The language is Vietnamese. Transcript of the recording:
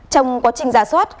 trong quá trình già soát